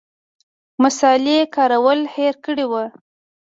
مصالې کارول هېر کړي وو.